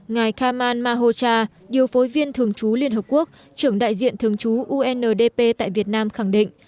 ngài khamal mahocha điều phối viên thường trú liên hợp quốc trưởng đại diện thường trú undp tại việt nam khẳng định